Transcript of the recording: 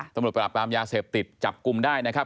ตำรวจปราบปรามยาเสพติดจับกลุ่มได้นะครับ